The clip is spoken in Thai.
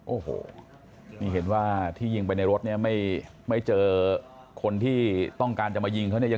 โอ้โหนี่เห็นว่าที่ยิงไปในรถเนี่ยไม่เจอคนที่ต้องการจะมายิงเขาเนี่ย